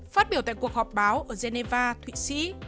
phát biểu tại cuộc họp báo ở geneva thụy sĩ